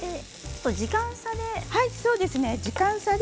時間差で。